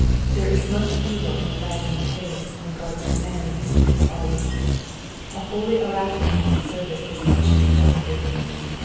There is mach evil in a lagging pace when God's command is to be followed. A holy alacrity in service is much to be cultivated.